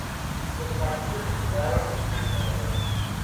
Los partidos se jugaron en San Salvador.